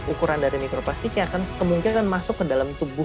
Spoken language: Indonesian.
ukuran dari mikroplastiknya akan sekemungkinan masuk ke dalam tiga